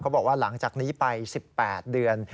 บอกว่าหลังจากนี้ไป๑๘เดือน